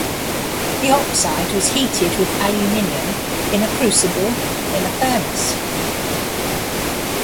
The oxide was heated with aluminium in a crucible in a furnace.